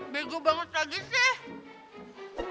begok banget lagi sih